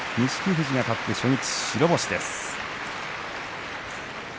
富士勝って初日白星です。